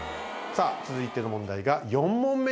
さあ続いての問題が４問目になります。